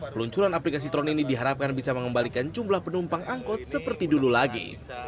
peluncuran aplikasi tron ini diharapkan bisa mengembalikan jumlah penumpang angkot seperti dulu lagi